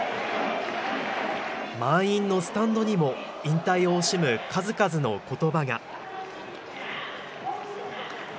満員のスタンドにも引退を惜しむ数々のことばが。